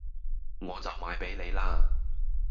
我就賣俾你啦